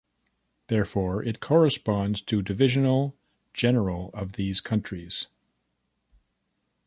Therefore, it corresponds to divisional general of these countries.